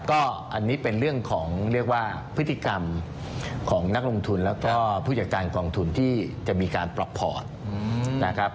ก็อันนี้เป็นเรื่องของเรียกว่าพฤติกรรมของนักลงทุนแล้วก็ผู้จัดการกองทุนที่จะมีการปรับพอร์ตนะครับ